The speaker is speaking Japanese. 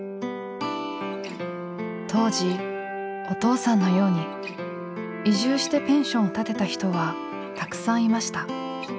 当時お父さんのように移住してペンションを建てた人はたくさんいました。